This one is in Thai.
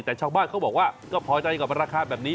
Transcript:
แต่ชาวบ้านเขาบอกว่าก็พอใจกับราคาแบบนี้